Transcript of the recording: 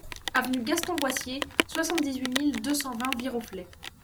Avenue Gaston Boissier, soixante-dix-huit mille deux cent vingt Viroflay